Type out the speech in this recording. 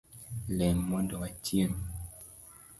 Lem mondo wachiem